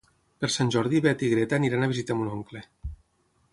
Per Sant Jordi na Beth i na Greta iran a visitar mon oncle.